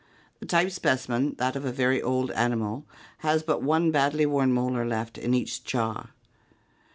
The type specimen, that of a very old animal, has but one badly worn molar left in each jaw.